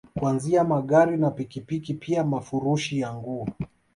Kuanzia Magari na pikipiki pia mafurushi ya nguo